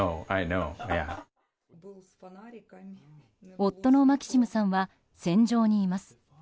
夫のマキシムさんは戦場にいます。